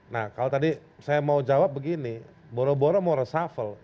nah kalau tadi saya mau jawab begini boro boro mau reshuffle